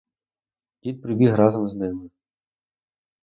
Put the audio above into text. Дід прибіг разом з ними.